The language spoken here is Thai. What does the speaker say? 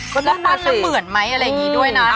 ก็ไม่นานน้ำเหมือนไหมอะไรอย่างนี้ด้วยนะ